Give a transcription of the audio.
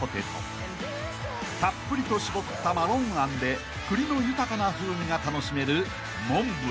［たっぷりとしぼったマロンあんで栗の豊かな風味が楽しめる］